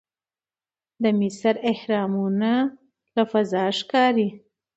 د مصر اهرامونه له فضا ښکاري.